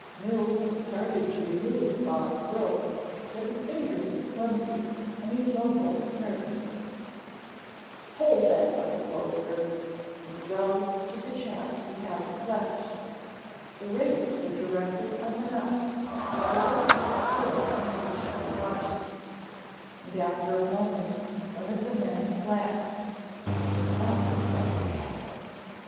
Mills had started to remove Bob's rope, but his fingers were clumsy and he fumbled nervously. "Hold that light closer," he growled to the chap who had the flash. The rays were directed on the knot while the rest stood impatiently watching, and after a moment one of the men laughed; it sounded like a cackle.